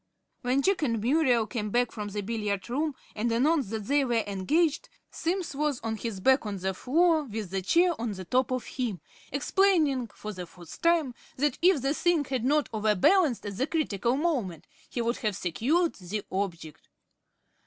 When Jack and Muriel came back from the billiard room and announced that they were engaged, Simms was on his back on the floor with the chair on the top of him explaining, for the fourth time, that if the thing had not overbalanced at the critical moment he would have secured the object.